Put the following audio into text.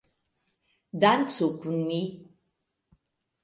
Dancu kun mi!